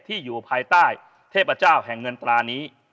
อยู่ภายใต้เทพเจ้าแห่งเงินตรานี้